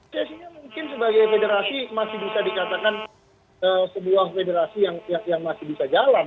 sehingga mungkin sebagai federasi masih bisa dikatakan sebuah federasi yang masih bisa jalan